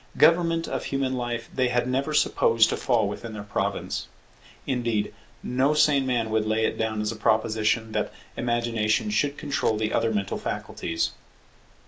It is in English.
Government of human life they had never supposed to fall within their province. Indeed no sane man would lay it down as a proposition that Imagination should control the other mental faculties.